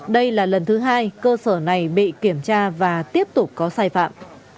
đây là lần thứ hai cơ sở này bị kiểm tra và tiếp tục có sai phạm